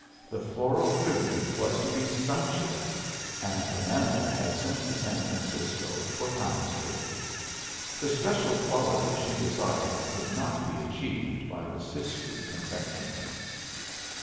The floral tribute was to be sumptuous, and Amanda had sent to San Francisco for pound cake. The special quality she desired could not be achieved by the Siskiyou confectioner.